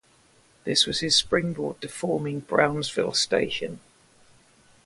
This was his springboard to forming Brownsville Station.